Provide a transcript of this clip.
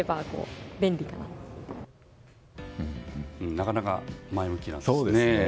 なかなか、前向きですね。